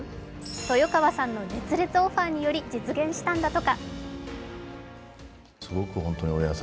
豊川さんの熱烈オファーにより実現したんだとか。